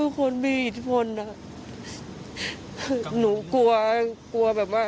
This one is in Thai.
หนูก็เลยหันไปกอดแฟนหนูหันไปกอดแฟนหนู